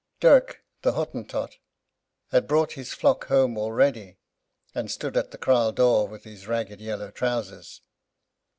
Dirk, the Hottentot, had brought his flock home already, and stood at the kraal door with his ragged yellow trousers.